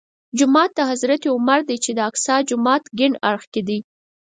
جومات د حضرت عمر دی چې د اقصی جومات کیڼ اړخ کې دی.